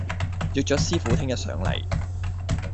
約咗師傅聽日上嚟